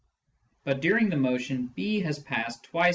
But during the motion B has passed twice as * Loc.